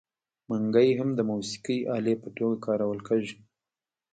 منګی هم د موسیقۍ الې په توګه کارول کیږي.